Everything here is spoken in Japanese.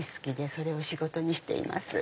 それを仕事にしています。